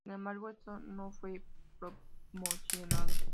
Sin embargo este no fue promocionado.